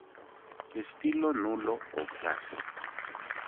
Estilo nulo o casi.